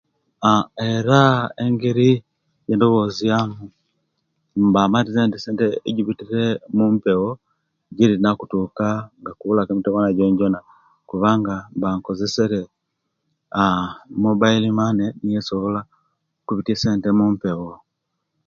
Aa era engeri yendowozamu mbamaite nti esente egibitira mumpeewo giinakutuka nga gibulaku mitewaana jonajona kubanga mbankozeserya mwobailo manne aa niyo sobola kubitya sente mumpeewo.